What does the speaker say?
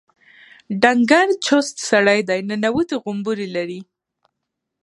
ډنګر چوست سړی دی ننوتي غومبري لري.